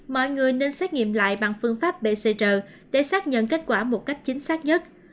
mọi người nên xét nghiệm lại bằng phương pháp bcr để xác nhận kết quả một cách chính xác nhất